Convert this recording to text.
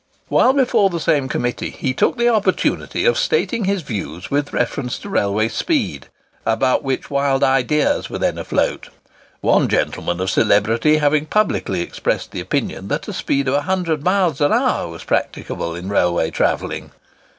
While before the same Committee, he took the opportunity of stating his views with reference to railway speed, about which wild ideas were then afloat—one gentleman of celebrity having publicly expressed the opinion that a speed of 100 miles an hour was practicable in railway travelling!